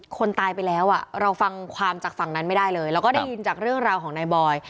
คนตายไปแล้วอ่ะเราฟังความจากฝั่งนั้นไม่ได้เลยเราก็ได้ยินจากเรื่องราวของนายบอย